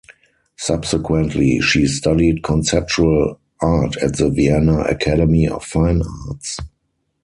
Subsequently, she studied conceptual art at the Vienna Academy of Fine Arts.